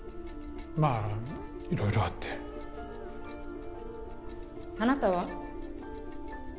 まあ色々あってあなたは？